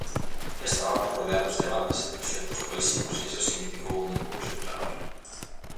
Estabamos rodeados de bandas e proxectos boísimos e iso significou un impulso para nós.